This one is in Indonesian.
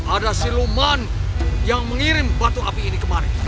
ada siluman yang mengirim batu api ini kemarin